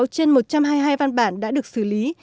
sáu mươi sáu trên một trăm hai mươi hai văn bản đã được xử lý